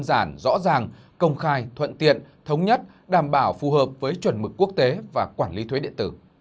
đề nghị xây dựng đơn giản rõ ràng công khai thuận tiện thống nhất đảm bảo phù hợp với chuẩn mực quốc tế và quản lý thuế điện tử